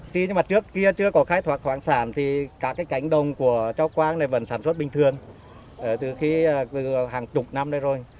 thì nhưng mà trước kia chưa có khai thoạc hàng sản thì cả cái cánh đồng của châu quang này vẫn sản xuất bình thường từ hàng chục năm đây rồi